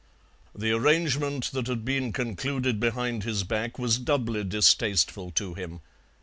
The arrangement that had been concluded behind his back was doubly distasteful to him.